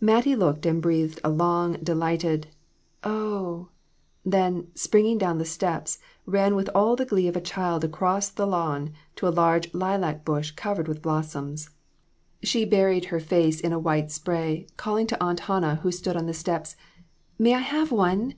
Mattie looked, and breathed a long, delighted "Oh!" then, springing down the steps, ran with all the glee of a child across the lawn to a large lilac bush covered with blossoms. She buried her LESSONS. 165 face in a white spray, calling to Aunt Hannah, who stood on the steps " May I have one?"